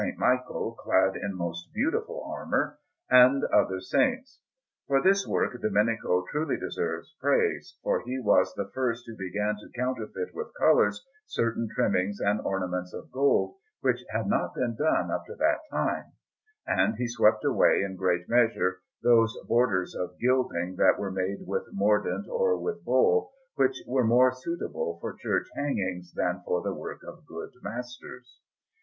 Michael, clad in most beautiful armour; and other saints. For this work Domenico truly deserves praise, for he was the first who began to counterfeit with colours certain trimmings and ornaments of gold, which had not been done up to that time; and he swept away in great measure those borders of gilding that were made with mordant or with bole, which were more suitable for church hangings than for the work of good masters.